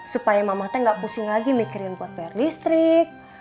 supaya mama teh gak pusing lagi mikirin buat per listrik